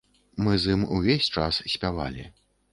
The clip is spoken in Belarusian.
Мы з ім увесь час спявалі.